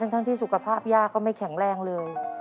ทั้งที่สุขภาพย่าก็ไม่แข็งแรงเลย